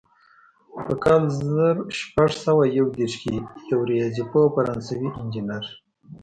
په کال زر شپږ سوه یو دېرش کې یو ریاضي پوه او فرانسوي انجینر.